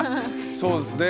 そうですね。